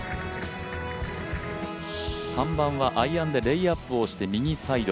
３番はアイアンでレイアップをして右サイド。